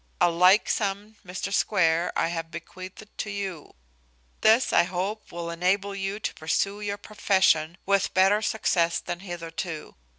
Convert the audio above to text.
"A like sum, Mr Square, I have bequeathed to you. This, I hope, will enable you to pursue your profession with better success than hitherto.